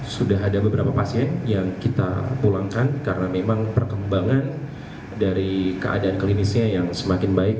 sudah ada beberapa pasien yang kita pulangkan karena memang perkembangan dari keadaan klinisnya yang semakin baik